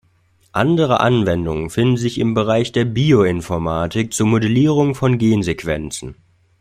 Andere Anwendungen finden sich im Bereich der Bioinformatik zur Modellierung von Gensequenzen.